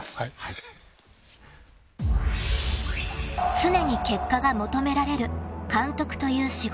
［常に結果が求められる監督という仕事］